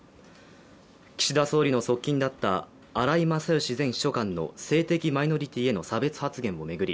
岸田総理の側近だった荒井勝喜前秘書官の性的マイノリティーへの差別発言を巡り